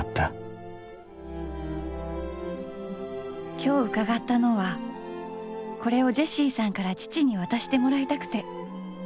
今日うかがったのはこれをジェシィさんから父に渡してもらいたくて。